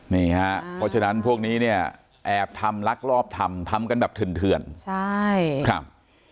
นี่ฮะเพราะฉะนั้นพวกนี้เนี่ยแอบทำลักลอบทำทำกันแบบเถื่อนใช่ครับ